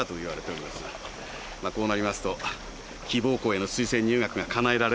まあこうなりますと希望校への推薦入学がかなえられるはずです。